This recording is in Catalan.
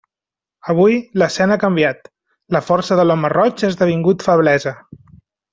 Avui, l'escena ha canviat: la força de l'home roig ha esdevingut feblesa.